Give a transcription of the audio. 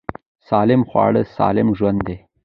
سالم خواړه سالم ژوند دی.